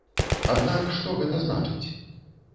Аднак, што гэта значыць?